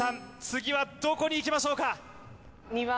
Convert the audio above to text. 次はどこにいきましょうか？